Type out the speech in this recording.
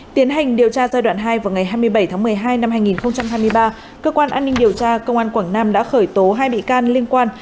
tiến hành điều tra giai đoạn hai vào ngày hai mươi bảy tháng một mươi hai năm hai nghìn hai mươi ba cơ quan an ninh điều tra công an quảng nam đã khởi tố hai bị can liên quan